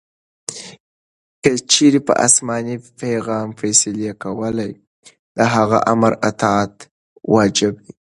کې چیري په اسماني پیغام فیصلې کولې؛ د هغه آمر اطاعت واجب يي.